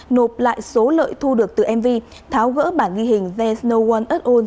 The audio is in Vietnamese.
nộp lại số lợi thu được từ mv tháo gỡ bản ghi hình there s no one at all